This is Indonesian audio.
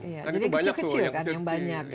jadi kecil kecil kan yang banyak